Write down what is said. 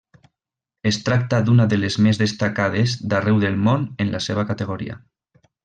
Es tracta d'una de les més destacades d'arreu el món en la seva categoria.